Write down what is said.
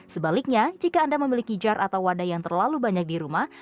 sebaliknya jika anda memiliki jar atau wadah yang terlalu banyak di rumah